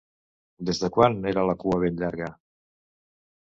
Des de quan era la cua ben llarga?